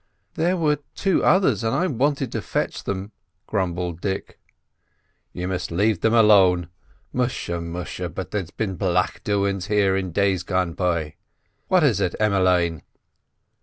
"There were two others, and I wanted to fetch them," grumbled Dick. "You lave them alone. Musha! musha! but there's been black doin's here in days gone by. What is it, Emmeline?"